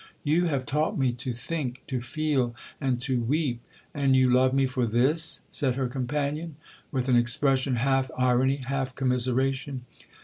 You have taught me to think, to feel, and to weep.'—'And you love me for this?' said her companion, with an expression half irony, half commiseration.